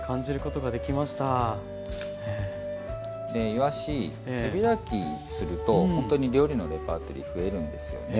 いわし手開きするとほんとに料理のレパートリー増えるんですよね。